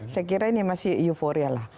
saya kira ini masih euforia lah